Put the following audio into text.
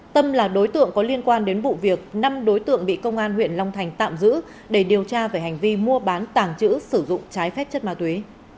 tâm là đối tượng có liên quan đến vụ việc năm đối tượng bị công an huyện long thành tạm giữ để điều tra về hành vi mua bán tàng trữ sử dụng trái phép chất ma túy